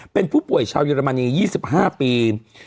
เป็นผู้ป่วยชาวเยอรมนี๒๕ปี